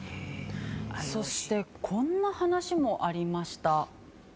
そしてこんな話もありました。